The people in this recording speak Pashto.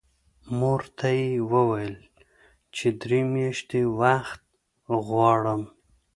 مور ته یې وویل چې درې میاشتې وخت غواړم